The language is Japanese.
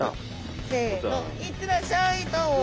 せの行ってらっしゃい！